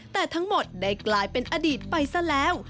แต่ทั้งหมดได้กลายเป็นอดีตไปซะแล้ว